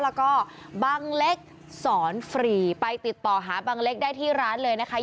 แล้วก็บังเล็กสอนฟรีไปติดต่อหาบังเล็กได้ที่ร้านเลยนะคะ